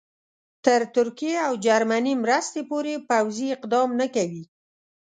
تر ترکیې او جرمني مرستې پورې پوځي اقدام نه کوي.